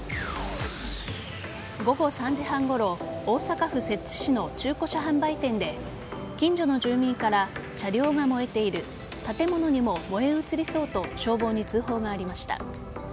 午後３時半ごろ大阪府摂津市の中古車販売店で近所の住民から車両が燃えている建物にも燃え移りそうと消防に通報がありました。